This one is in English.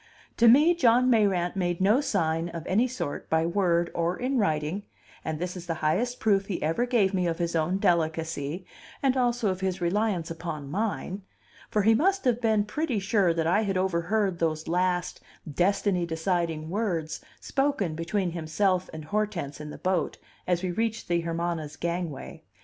To me John Mayrant made no sign of any sort by word or in writing, and this is the highest proof he ever gave me of his own delicacy, and also of his reliance upon mine; for he must have been pretty sure that I had overheard those last destiny deciding words spoken between himself and Hortense in the boat, as we reached the Hermana's gangway.